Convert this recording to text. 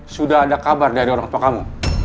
sudah ada kabar dari orang tua kamu